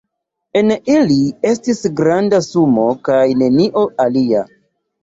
En ili estis granda sumo kaj nenio alia.